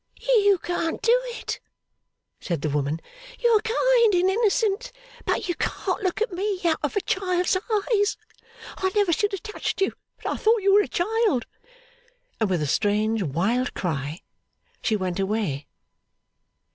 'You can't do it,' said the woman. 'You are kind and innocent; but you can't look at me out of a child's eyes. I never should have touched you, but I thought that you were a child.' And with a strange, wild cry, she went away.